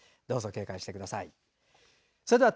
どうぞ警戒してください。